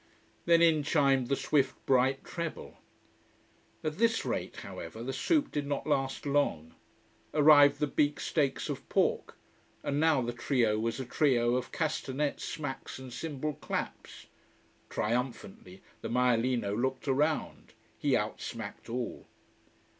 Then in chimed the swift bright treble. At this rate however, the soup did not last long. Arrived the beef steaks of pork. And now the trio was a trio of castanet smacks and cymbal claps. Triumphantly the maialino looked around. He out smacked all.